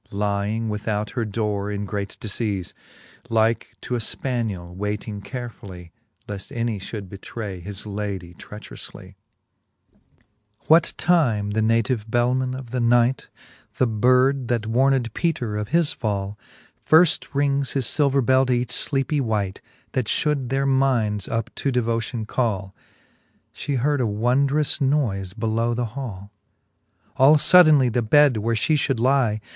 Lying without her dore in great difeafe j Like to a fpaniell wayting carefully, Leaft any fhould betray his lady treacheroufly. XXVII. What 96 ^he fifth Boole of Canto VI. XXVII. What time the native belman of the night, The bird, that warned Peter of his fall, ' Firft rings his filver bell teach lleepy wight, That (hould their minds up to devotion call. She heard a wondrous noife belovi^ the hall. All fodainely the bed, where {he fhould lie.